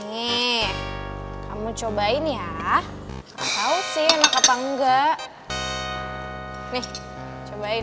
nih kamu cobain ya kamu tahu sih enak apa enggak nih cobain